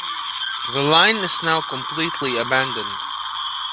The line is now completely abandoned.